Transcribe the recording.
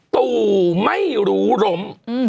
ตู่ไม่หรูหลม